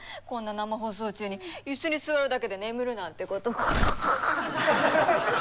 こんな生放送中に椅子に座るだけで眠るなんてこと。